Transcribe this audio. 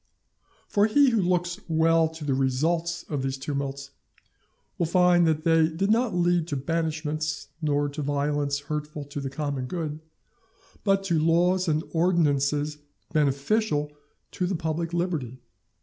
For he who looks well to the results of these tumults will find that they did not lead to banishments, nor to violence hurtful to the common good, but to laws and ordinances beneficial to the public liberty.